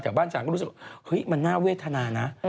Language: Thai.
แต่บ้านฉันก็รู้สึกว่าเฮ้ยมันน่าเวทนานะ